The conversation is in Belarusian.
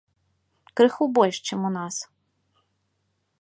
Крыху больш, чым у нас.